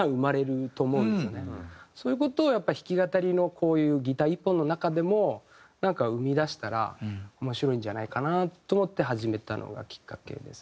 そういう事をやっぱり弾き語りのこういうギター１本の中でもなんか生み出したら面白いんじゃないかなと思って始めたのがきっかけですね。